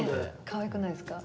かわいくないですか？